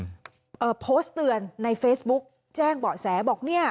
เอ่อโพสต์เตือนในเฟซบุ๊กแจ้งเบาะแสบอกเนี่ย